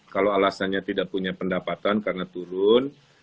kalau alasannya tidak punya pendapatan karena turun